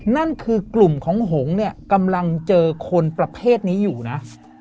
นั่นคือกลุ่มของหงษ์เนี่ยกำลังเจอคนประเภทนี้อยู่นะ